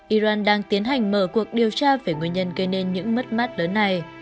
iran đang tiến hành mở cuộc điều tra về nguyên nhân gây nên những mất mát lớn này